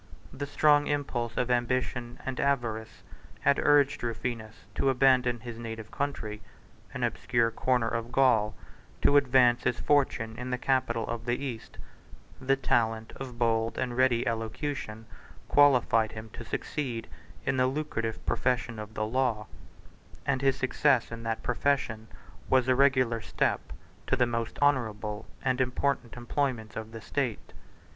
The strong impulse of ambition and avarice 1 had urged Rufinus to abandon his native country, an obscure corner of Gaul, 2 to advance his fortune in the capital of the East: the talent of bold and ready elocution, 3 qualified him to succeed in the lucrative profession of the law; and his success in that profession was a regular step to the most honorable and important employments of the state.